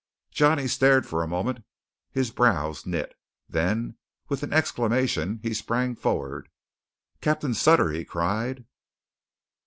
Johnny stared for a moment, his brows knit. Then with an exclamation, he sprang forward. "Captain Sutter!" he cried.